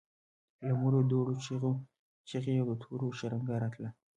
له مړو دوړو چيغې او د تورو شرنګا راتله.